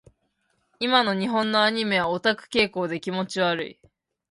今の日本のアニメはオタク傾向で気持ち悪い。